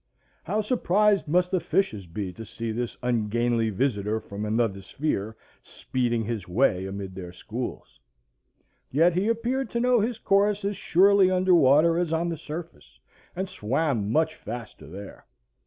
How surprised must the fishes be to see this ungainly visitor from another sphere speeding his way amid their schools! Yet he appeared to know his course as surely under water as on the surface, and swam much faster there.